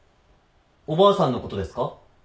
おばあさんのことですか？